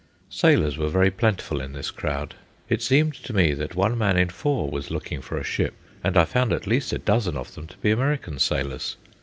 Sailors were very plentiful in this crowd. It seemed to me that one man in four was looking for a ship, and I found at least a dozen of them to be American sailors.